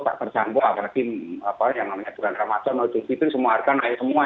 tak tercampur apalagi apa yang namanya bulan ramadhan noh jujub itu semua harga naik semua